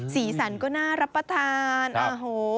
สีสันก็น่ารับประทานโอ้โห